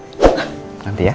mama pengen tanya nih